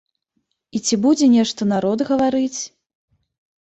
І ці будзе нешта народ гаварыць?